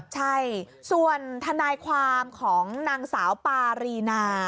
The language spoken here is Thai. ใช่ส่วนทนายความของนางสาวปารีนา